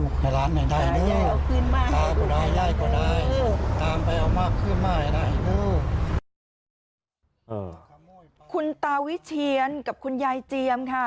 คุณตาวิเชียนกับคุณยายเจียมค่ะ